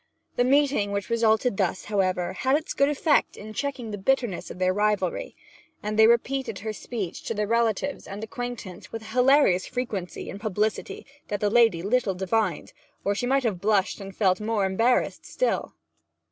The meeting which resulted thus, however, had its good effect in checking the bitterness of their rivalry; and they repeated her speech to their relatives and acquaintance with a hilarious frequency and publicity that the lady little divined, or she might have blushed and felt more embarrassment still.